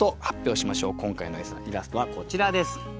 今回のイラストはこちらです。